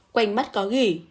quanh mắt có ghi